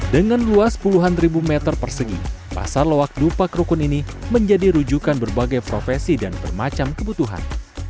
dengan luas puluhan ribu meter persegi pasar loak dupak rukun ini menjadi rujukan berbagai profesi dan bermacam kebutuhan